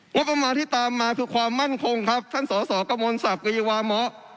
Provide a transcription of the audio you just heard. งบประมาณที่ตามมาคือความมั่นคงครับท่านสสกมศกรีวาหมอ